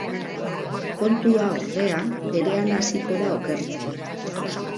Kontua, ordea, berehala hasiko da okertzen.